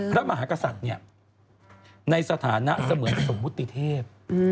พระมหากษัตริย์ในสถานะเสมือนสมมุติเทพ